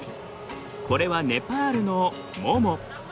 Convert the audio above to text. これはネパールのモモ。